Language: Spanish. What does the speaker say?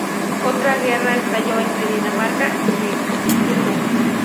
Otra guerra estalló entre Dinamarca y Mecklemburgo.